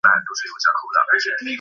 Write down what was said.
亦曾是葡萄牙国家队成员。